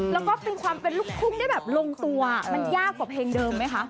แล้วก็เป็นความเป็นลูกทุ่งได้แบบลงตัวมันยากกว่าเพลงเดิมไหมคะ